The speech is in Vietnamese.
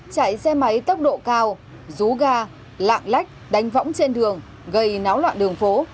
chạy xe máy tốc độ cao rú ga lạng lách đánh võng trên đường gây náo loạn đường phố